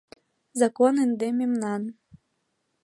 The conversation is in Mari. Закон ынде мемнан!